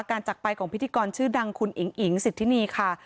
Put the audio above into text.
จากไปของพิธีกรชื่อดังคุณอิ๋งอิ๋งสิทธินีค่ะ